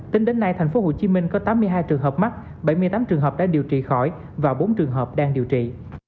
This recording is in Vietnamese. tính đến nay tp hcm có tám mươi hai trường hợp mắc bảy mươi tám trường hợp đã điều trị khỏi và bốn trường hợp đang điều trị